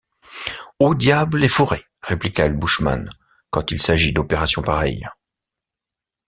Au diable les forêts! répliqua le bushman, quand il s’agit d’opérations pareilles !